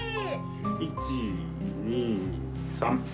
１２３。